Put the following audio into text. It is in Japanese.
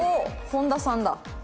本田さんだ。